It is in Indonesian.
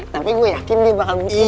tapi gue yakin dia bakal bucin